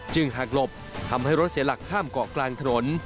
หากหลบทำให้รถเสียหลักข้ามเกาะกลางถนน